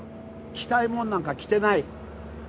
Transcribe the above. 着たいものなんか着てない。